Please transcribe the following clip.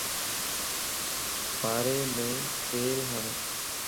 واريم تيل ھڻ